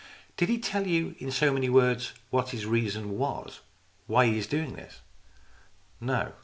" Did he tell you in so many words what his reason was why he is doing this ?"" No.